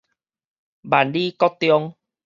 萬里國中